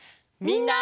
みんな！